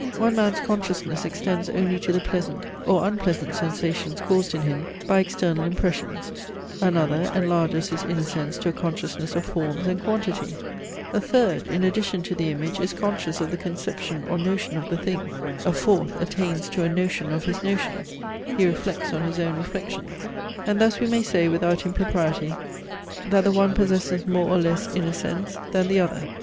One man's consciousness extends only to the pleasant or unpleasant sensations caused in him by external impressions; another enlarges his inner sense to a consciousness of forms and quantity; a third in addition to the image is conscious of the conception or notion of the thing; a fourth attains to a notion of his notions he reflects on his own reflections; and thus we may say without impropriety, that the one possesses more or less inner sense, than the other.